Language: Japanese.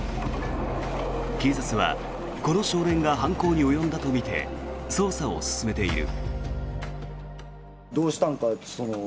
警察はこの少年が犯行に及んだとみて捜査を進めている。